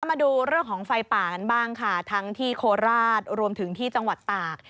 มาดูเรื่องของไฟป่ากันบ้างค่ะทั้งที่โคราชรวมถึงที่จังหวัดตาก